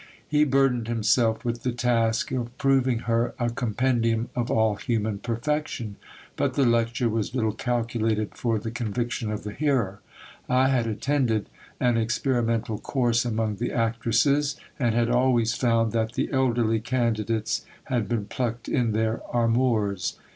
He burdened himself with the task of proving her a com pendium of all human perfection ; but the lecture was little calculated for the conviction of the hearer. I had attended an experimental course among the actresses ; and had always found that the elderly candidates had been plucked in their amours.